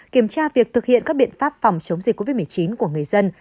kiểm tra việc thực hiện các biện pháp phòng chống dịch covid một mươi chín của người dân